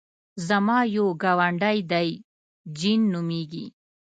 زما یو ګاونډی دی جین نومېږي.